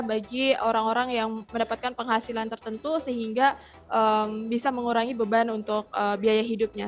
bagi orang orang yang mendapatkan penghasilan tertentu sehingga bisa mengurangi beban untuk biaya hidupnya